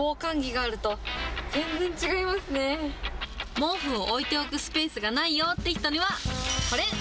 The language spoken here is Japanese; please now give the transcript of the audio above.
毛布を置いておくスペースがないよって人には、これ。